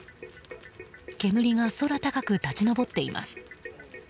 煙が空高く立ち上っています。